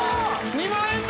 ２万円台！